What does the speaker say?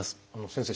先生。